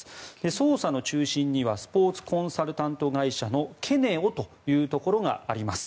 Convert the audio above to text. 捜査の中心にはスポーツコンサルタント会社のケネオというところがあります。